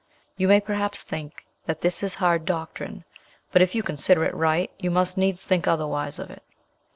You may perhaps think that this is hard doctrine; but, if you consider it right, you must needs think otherwise of it.